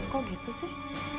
kok gitu sih